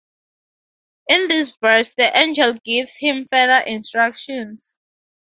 In this verse the angel gives him further instructions.